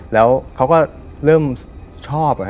แล้วเขาก็เริ่มชอบ